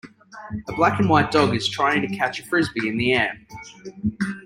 A black and white dog is trying to catch a Frisbee in the air.